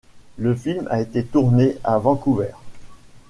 Le film a été tourné à Vancouver.